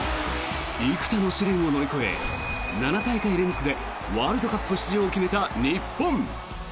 幾多の試練を乗り越え７大会連続でワールドカップ出場を決めた日本。